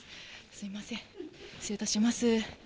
すみません、失礼いたします。